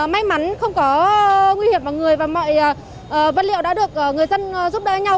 may mắn không có nguy hiểm vào người và mọi vật liệu đã được người dân giúp đỡ nhau